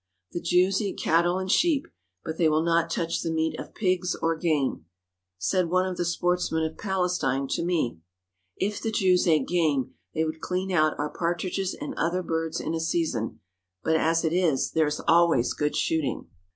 The Jews eat cattle and sheep, but they will not touch the meat of pigs or game. Said one of the sportsmen of Palestine to me: " If the Jews ate game they would clean out our par tridges and other birds in a season. But as it is, there is always good shooting."